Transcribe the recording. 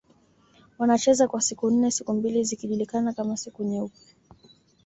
Wanacheza kwa siku nne siku mbili zikijulikana kama siku nyeupe